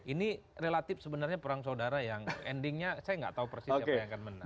ini relatif sebenarnya perang saudara yang endingnya saya nggak tahu persis siapa yang akan menang